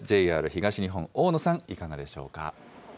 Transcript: ＪＲ東日本、大野さん、いかがでしょうか。